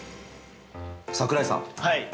櫻井さん。